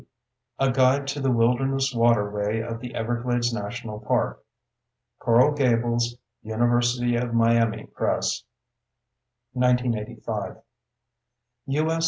A Guide to the Wilderness Waterway of the Everglades National Park. Coral Gables: University of Miami Press, 1985. U.S.